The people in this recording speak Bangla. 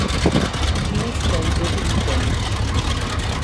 তিনি ছিলেন জ্যোতির্বিজ্ঞানী।